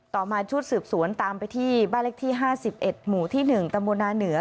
ต่อมาชุดสืบสวนตามไปที่บ้านเลขที่๕๑หมู่ที่๑ตำบลนาเหนือ